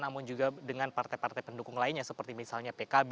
namun juga dengan partai partai pendukung lainnya seperti misalnya pkb